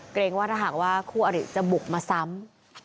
เกรงว่าถ้าหากว่าคู่อริจะบุกมาซ้ำ